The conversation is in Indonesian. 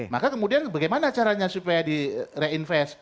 maka kemudian bagaimana caranya supaya di reinvest